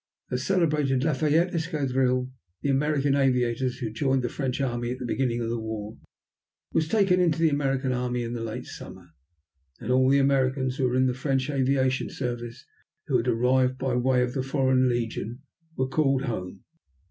The celebrated Lafayette Escadrille, the American aviators who joined the French Army at the beginning of the war, was taken into the American Army in the late summer. Then all the Americans who were in the French aviation service who had arrived by way of the Foreign Legion were called home.